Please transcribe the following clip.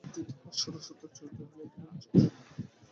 তিনি হাস্যরসাত্মক চরিত্রে অভিনয় করার ইচ্ছাপোষণ করেন।